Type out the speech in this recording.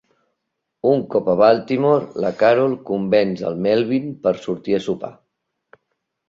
Un cop a Baltimore, la Carol convenç el Melvin per sortir a sopar.